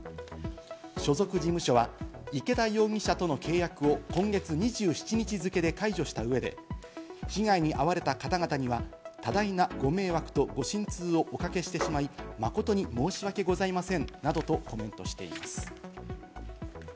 所属事務所は池田容疑者との契約を今月２７日付けで解除した上で、被害に遭われた方々には多大なご迷惑とご心痛をおかけしてしまい、誠に申し訳ございませんなどとコメントしています。